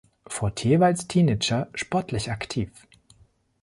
Fortier war als Teenager sportlich aktiv.